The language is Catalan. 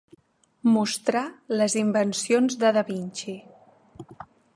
Mostrar les invencions de da Vinci.